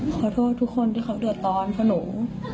ขอโทษทุกคนที่เขาเดือดร้อนเพราะหนู